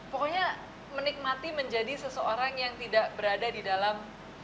pokoknya menikmati menjadi seseorang yang tidak berada di dalam